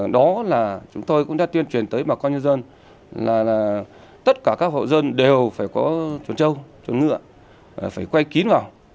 đó là chúng tôi cũng đã tuyên truyền tới bà con nhân dân là tất cả các hộ dân đều phải có chuồn trâu chuồn ngựa phải quay kín vào